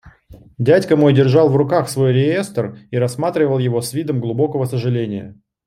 Дядька мой держал в руках свой реестр и рассматривал его с видом глубокого сожаления.